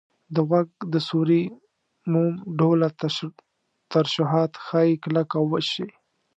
د غوږ د سوري موم ډوله ترشحات ښایي کلک او وچ شي.